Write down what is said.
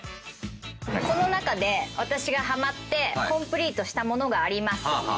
この中で私がハマってコンプリートした物があります。